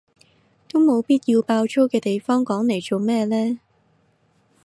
都冇必要爆粗嘅地方講嚟做咩呢？